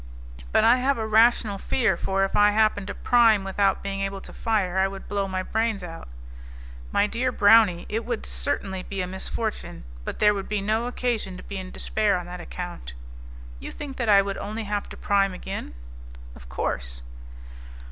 But I have a rational fear, for if I happened to prime without being able to fire, I would blow my brains out." "My dear browny, it would certainly be a misfortune, but there would be no occasion to be in despair on that account." "You think that I would only have to prime again." "Of course."